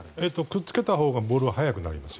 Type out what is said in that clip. くっつけたほうがボールは速くなります。